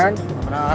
nggak pernah nangkat